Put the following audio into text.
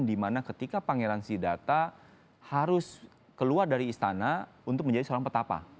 dimana ketika pangeran sidata harus keluar dari istana untuk menjadi seorang petapa